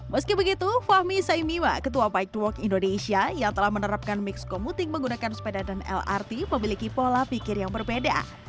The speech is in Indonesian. meski begitu fahmi saimima ketua paituok indonesia yang telah menerapkan mix komuting menggunakan sepeda dan lrt memiliki pola pikir yang berbeda